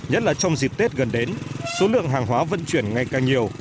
nhất là trong dịp tết gần đến số lượng hàng hóa vận chuyển ngày càng nhiều